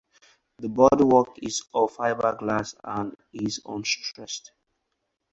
The bodywork is of fiberglass and is unstressed.